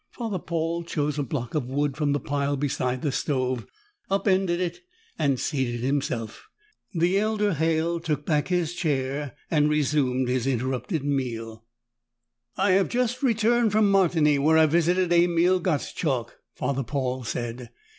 Father Paul chose a block of wood from the pile beside the stove, upended it, and seated himself. The elder Halle took back his chair and resumed his interrupted meal. "I have just returned from Martigny, where I visited Emil Gottschalk," Father Paul said.